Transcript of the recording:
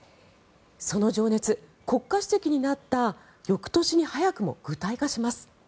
その情熱国家主席になった翌年に早くも具体化します。